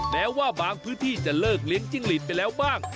แม้ว่าบางพื้นที่จะเลิกเลี้ยงจิ้งหลีดไปแล้วบ้าง